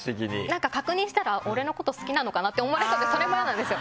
なんか確認したら俺のこと好きなのかな？って思われそうでそれも嫌なんですよ。